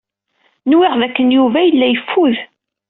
Nwiɣ dakken Yuba yella yeffud.